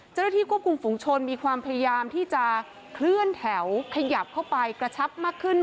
เจ้าหน้าที่ควบคุมฝุงชนมีความพยายามที่จะเคลื่อนแถวขยับเข้าไปกระชับมากขึ้น